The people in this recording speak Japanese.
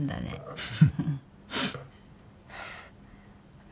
フフフ。